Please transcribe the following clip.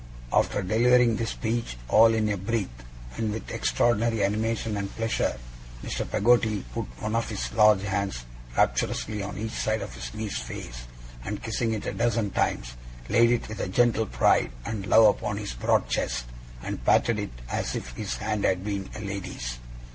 After delivering this speech all in a breath, and with extraordinary animation and pleasure, Mr. Peggotty put one of his large hands rapturously on each side of his niece's face, and kissing it a dozen times, laid it with a gentle pride and love upon his broad chest, and patted it as if his hand had been a lady's.